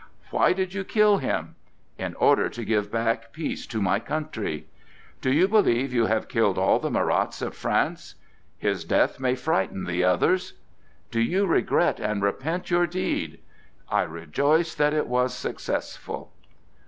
"Why did you kill him?" "In order to give back peace to my country." "Do you believe you have killed all the Marats of France?" "His death may frighten the others." "Do you regret and repent your deed?" "I rejoice that it was successful."